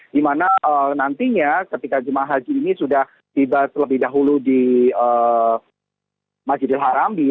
dimana nantinya ketika jamaah haji ini sudah tiba lebih dahulu di masjidil haram di mekah